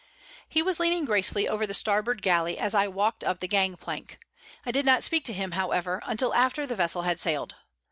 He was leaning gracefully over the starboard galley as I walked up the gang plank. I did not speak to him, however, until after the vessel had sailed.